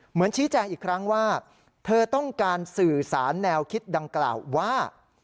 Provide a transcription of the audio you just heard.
เหมือนชี้แจงอีกครั้งว่าเธอต้องการสื่อสารแนวคิดดังกล่าวว่า